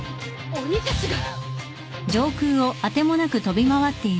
鬼たちが。